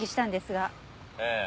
ええ。